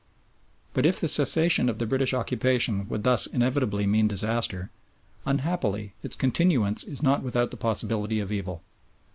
But if the cessation of the British occupation would thus inevitably mean disaster, unhappily its continuance is not without the possibility of evil.